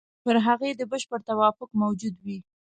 پر هغې دې بشپړ توافق موجود وي.